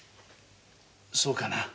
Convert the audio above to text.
そうかな？